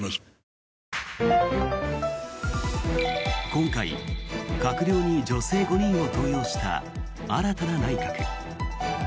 今回、閣僚に女性５人を登用した新たな内閣。